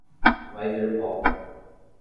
Vai ver o palco